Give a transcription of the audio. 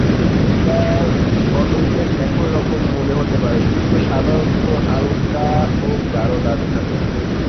বর্ণবিন্যাস একই রকম মনে হতে পারে কিন্তু সাধারণত হালকা ও গাঢ় দাগ থাকে।